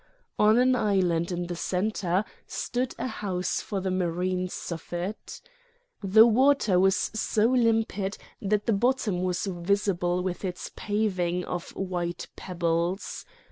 On an island in the centre stood a house for the marine Suffet. The water was so limpid that the bottom was visible with its paving of white pebbles.